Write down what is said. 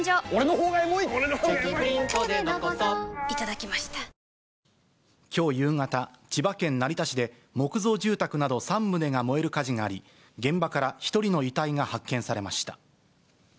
きょう夕方、千葉県成田市で、木造住宅など３棟が燃える火事があり、現場から１人の遺体が発見されました。